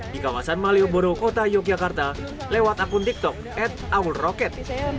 di kawasan malioboro kota yogyakarta lewat akun tiktok at aul roket